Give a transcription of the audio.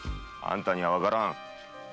あんたにはわからん。